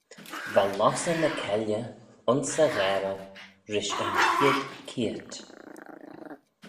Va lossey ny keylley ayns e gharey rish yn chied keayrt.